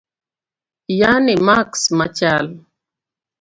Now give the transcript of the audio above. yani maks machal